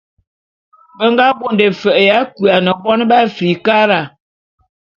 Be nga bonde fe'e ya kuane bon b'Afrikara.